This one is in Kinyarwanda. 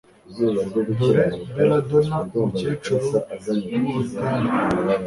Dore Belladonna Umukecuru wUrutare